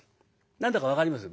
何だか分かります？